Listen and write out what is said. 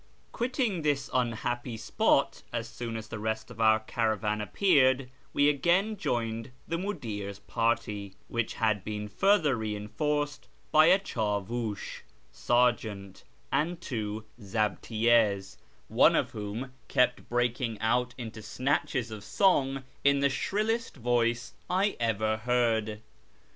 Quitting this unhappy spot as soon as the rest of our caravan appeared, we again joined the mudir's party, which had been further reinforced by a clidiviish (sergeant) and two zdbtiyy4s, one of whom kept breaking out into snatches of song in the shrillest voice I ever heard.